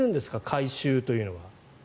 改修というのは。